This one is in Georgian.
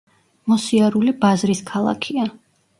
მოსიარულე ბაზრის ქალაქია.